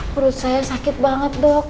perut saya sakit banget dok